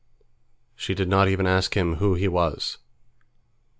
She did not even ask him who he was.